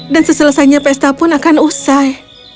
dan seselesainya pesta pun akan usai